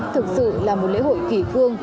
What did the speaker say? thực sự là một lễ hội kỳ cương